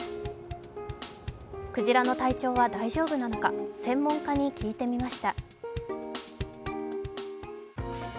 クジラの体調は大丈夫なのか、専門家に聞いてみました。